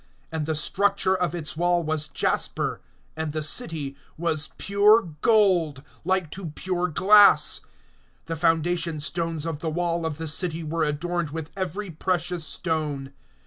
(18)And the structure of its wall was jasper; and the city was pure gold, like to pure glass. (19)The foundation stones of the wall of the city were adorned with every precious stone.